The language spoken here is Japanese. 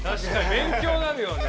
べん強になるよね。